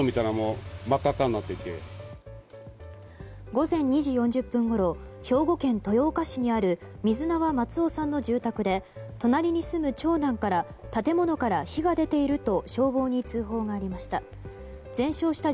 午前２時４０分ごろ兵庫県豊岡市にある水縄松生さんの住宅で隣に住む長男から建物から火が出ていると消防に通報がありました。